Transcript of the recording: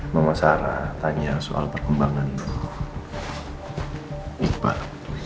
bahwa sarah tanya soal perkembangan iqbal